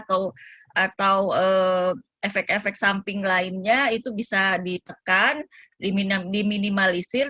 atau efek efek samping lainnya itu bisa ditekan diminimalisir